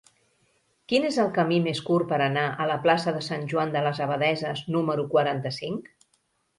Quin és el camí més curt per anar a la plaça de Sant Joan de les Abadesses número quaranta-cinc?